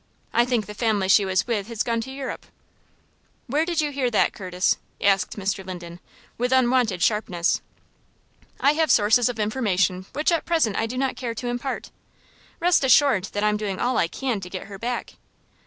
I think the family she was with has gone to Europe." "Where did you hear that, Curtis?" asked Mr. Linden, with unwonted sharpness. "I have sources of information which at present I do not care to impart. Rest assured that I am doing all I can to get her back."